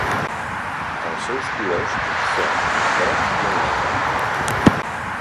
Els seus colors són el groc i el negre.